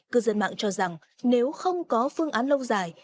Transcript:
cư dân mạng cho rằng nếu không có phương án lâu dài